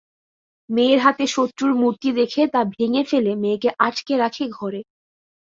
মেয়ের হাতে শত্রুর মূর্তি দেখে তা ভেঙ্গে ফেলে মেয়েকে আটকে রাখে ঘরে।